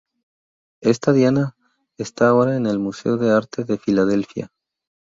Esta Diana está ahora en el Museo de Arte de Filadelfia.